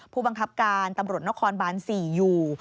ผู้บังคับการตำรวจนครบาน๔อยู่